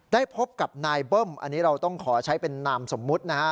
พบกับนายเบิ้มอันนี้เราต้องขอใช้เป็นนามสมมุตินะฮะ